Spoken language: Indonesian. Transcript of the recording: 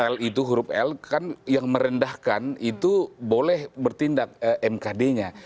l itu huruf l kan yang merendahkan itu boleh bertindak mkd nya